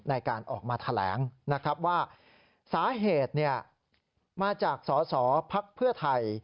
ในการออกมาแถลงนะครับว่าสาเหตุมาจากสอสอพักเพื่อไทย